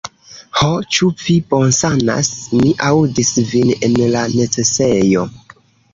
"Ho, ĉu vi bonsanas? Mi aŭdis vin en la necesejo!"